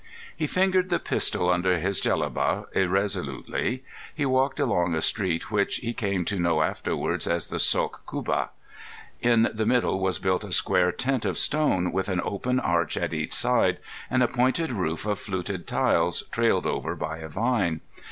He fingered the pistol under his jellaba irresolutely. He walked along a street which he came to know afterwards as the Sôk Kubba. In the middle was built a square tent of stone with an open arch at each side and a pointed roof of fluted tiles trailed over by a vine.